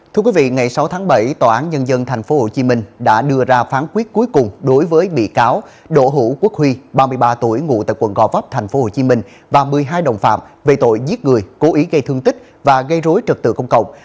thưa quý vị ngày sáu tháng bảy tòa án nhân dân tp hcm đã đưa ra phán quyết cuối cùng đối với bị cáo đỗ hữu quốc huy ba mươi ba tuổi ngụ tại quận gò vấp tp hcm và một mươi hai đồng phạm về tội giết người cố ý gây thương tích và gây rối trật tự công cộng